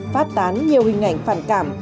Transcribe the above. phát tán nhiều hình ảnh phản cảm